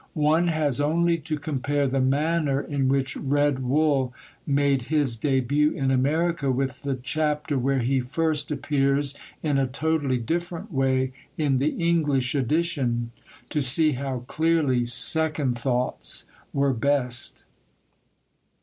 One has only to compare the manner in which Red Wull made his début in America with the chapter where he first appears (in a totally different way) in the English edition, to see how clearly second thoughts were best.